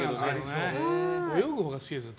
泳ぐほうが好きですね